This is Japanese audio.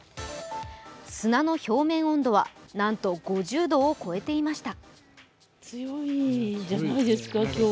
砂の表面温度はなんと５０度を超えていました。